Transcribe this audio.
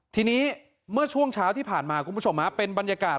ทีนี้เมื่อช่วงเช้าที่ผ่านมาคุณผู้ชมเป็นบรรยากาศ